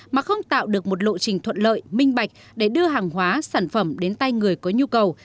mà không tạo được một lộ trình thuận lợi minh bạch để đưa hàng hóa sản phẩm đến tay người có nhu cầu